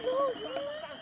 aber kawasan aku